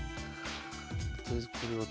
とりあえずこれは。